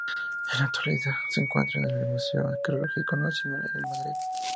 En la actualidad se encuentran en el Museo Arqueológico Nacional, en Madrid.